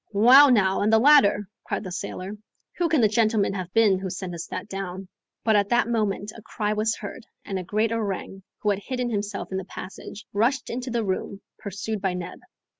"Well now, and the ladder," cried the sailor; "who can the gentleman have been who sent us that down?" But at that moment a cry was heard, and a great orang, who had hidden himself in the passage, rushed into the room, pursued by Neb.